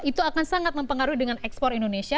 itu akan sangat mempengaruhi dengan ekspor indonesia